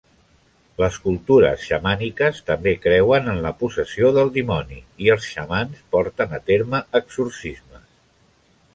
Les cultures xamàniques també creuen en la possessió del dimoni i els xamans porten a terme exorcismes.